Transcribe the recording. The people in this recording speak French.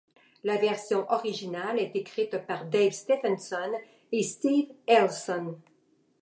La version originale est écrite par Dave Stephenson et Steve Elson.